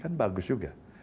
kan bagus juga